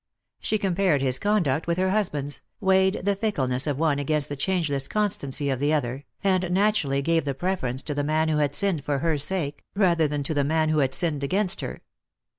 She compared his conduct with her husband's, weighed the fickleness of one against the changeless constancy of the other, and naturally gave the preference to the man who had sinned for her sake, rather than to the man who had sinned against her.